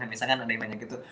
misalnya ada yang banyak gitu